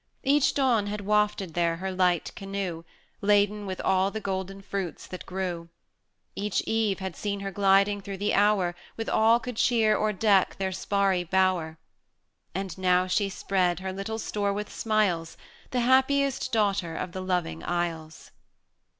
[fs] Each dawn had wafted there her light canoe, Laden with all the golden fruits that grew; Each eve had seen her gliding through the hour With all could cheer or deck their sparry bower; And now she spread her little store with smiles, The happiest daughter of the loving isles.